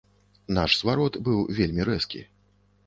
Наш зварот быў вельмі рэзкі.